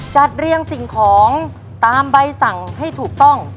จัดเรียงสิ่งของตามใบสั่งให้ถูกต้อง